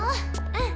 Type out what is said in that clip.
うん。